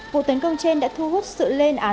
vụ tấn công trên đã thu hút sự lên án